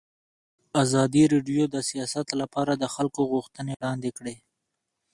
ازادي راډیو د سیاست لپاره د خلکو غوښتنې وړاندې کړي.